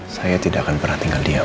saya tidak akan pernah tinggal diam